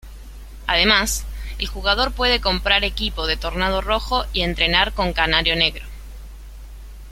Además, el jugador puede comprar equipo de Tornado Rojo y entrenar con Canario Negro.